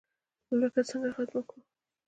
لوږه څنګه ختمه کړو؟